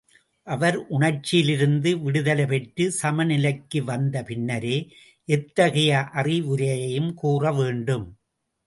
அவர் உணர்ச்சியிலிருந்து விடுதலை பெற்றுச் சமநிலைக்கு வந்த பின்னரே எத்தகைய அறிவுரையையும் கூறவேண்டும்.